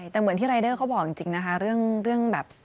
แต่เหมือนที่รายเดอร์เขาบอกจริงนะคะเรื่องแบบ